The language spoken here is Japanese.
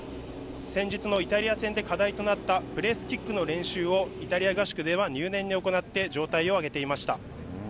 先日のイタリア戦で課題となった、プレースキックの練習をイタリア合宿では入念に行って状態を上げていました。